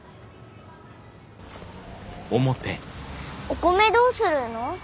お米どうするの？